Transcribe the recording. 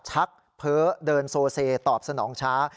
ชักเพ้อเดินโซเซตอบสนองช้า